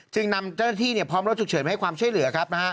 จึงนำเจ้าหน้าที่พร้อมรถฉุกเฉินมาให้ความช่วยเหลือครับ